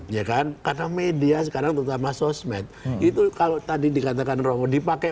ya kan karena media sekarang terutama sosmed itu kalau tadi dikatakan romo dipakai